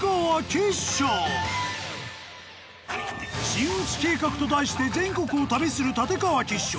真打ち計画と題して全国を旅する立川吉笑。